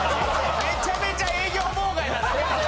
めちゃめちゃ営業妨害。